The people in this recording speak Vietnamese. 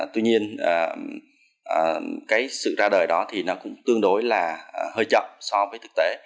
tuy nhiên sự ra đời đó cũng tương đối là hơi chậm so với thực tế